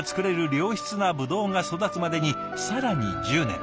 良質なブドウが育つまでに更に１０年。